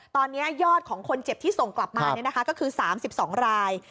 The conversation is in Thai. ตอนนี้ยอดของคนเจ็บที่ส่งกลับมาก็คือ๓๒ราย